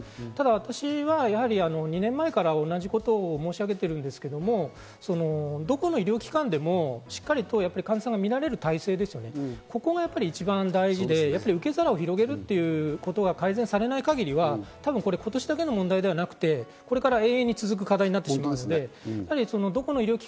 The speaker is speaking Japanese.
私は２年前から同じことを申し上げてるんですが、どこの医療機関でもしっかりと患者さんを見られる体制、ここが一番大事で、受け皿を広げることが改善されない限りはこれは多分、今年だけの問題ではなく、これから永遠に続く課題になってしまいます。